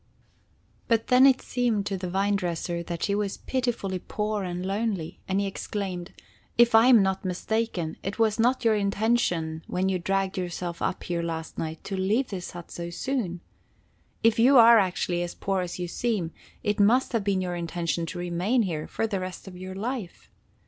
But then it seemed to the vine dresser that she was pitifully poor and lonely, and he exclaimed: "If I am not mistaken, it was not your intention, when you dragged yourself up here last night, to leave this hut so soon. If you are actually as poor as you seem, it must have been your intention to remain here for the rest of your life.